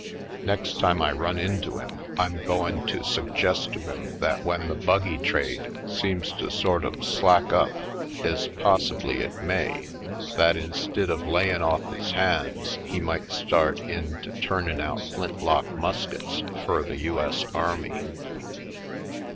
Next time I run into him I'm 20 /. Poindexter^ Colored goin' to suggest to him that when the buggy trade seems to sort of slack up, ez possibly it may, that instid of layin' ofif his hands he might start in to turnin' out flint lock mus kets fur the U. S. Army."